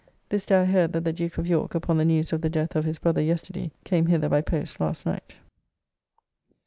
This day I heard that the Duke of York, upon the news of the death of his brother yesterday, came hither by post last night.